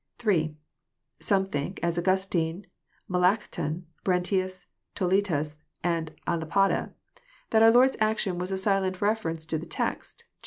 " (8) Some think, as Augustine, Melancthon, Brentius, Toletus, and k Lapide, that our Lord's action was a silent reference to the text, Jer.